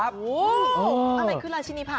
อ๋ออะไรคือราชินีผัก